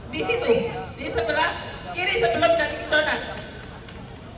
di situ di sebelah kiri sebelum dan di depan